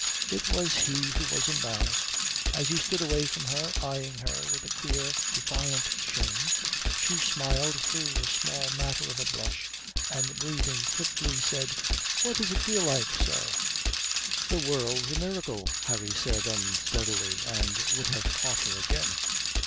It was he who was embarrassed. As he stood away from her, eyeing her with a queer defiant shame, she smiled through a small matter of a blush, and breathing quickly said: "What does it feel like, sir?" "The world's a miracle," Harry said unsteadily and would have caught her again.